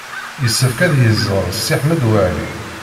Yessefk ad yeẓẓel Si Ḥmed Waɛli.